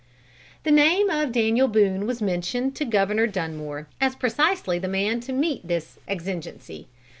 The name of Daniel Boone was mentioned to Governor Dunmore as precisely the man to meet this exigency.